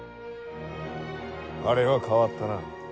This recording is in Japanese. あれは変わったな。